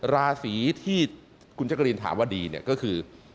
ราศีที่คุณจักรินถามว่าดีเนี่ยก็คือ